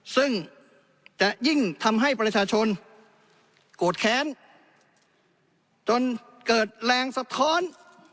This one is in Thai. ซึ่งจะยิ่งทำให้ประชาชนโกรธแค้นจนเกิดแรงสะท้อน